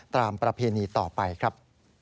ประเพณีต่อไปครับ